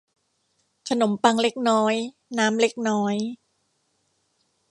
ขนมปังเล็กน้อยน้ำเล็กน้อย